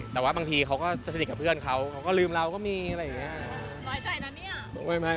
แต่ว่าบางทีเขาก็จะสนิทกับเพื่อนเขาเขาก็ลืมเราก็มีอะไรอย่างนี้